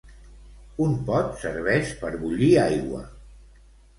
Un pot serveix per bullir aigua